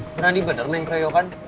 berani bener main kreo kan